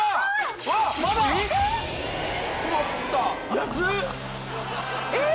安っ！